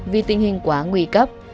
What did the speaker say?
vì tình hình quá nguy cấp